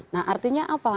nah artinya apa